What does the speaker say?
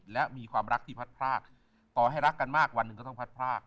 และมีความรักที่พัดพรากต่อให้รักกันมากวันหนึ่งก็ต้องพัดพราก